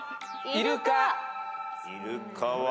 いるかは。